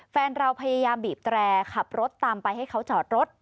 แฟนเราพยายามบีบแตรขับรถตามไปให้เขาจอดรถ